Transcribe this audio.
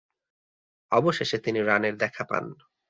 অবশেষে তিনি রানের দেখা পান।